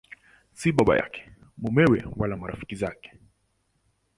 Si baba yake, mumewe wala marafiki zake.